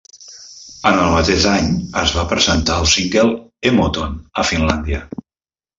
En el mateix any, es va presentar el single "Emoton" a Finlàndia.